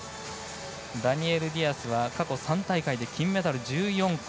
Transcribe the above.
ダニエル・ディアスは過去３大会で金メダル１４個。